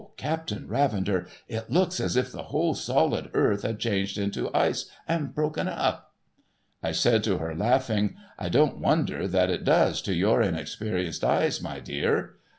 Captain Ravender, it looks as if the whole solid earth had changed into ice, and broken up !' I said to her, laughing, ' I don't wonder that it does, to your inex perienced eyes, my dear.'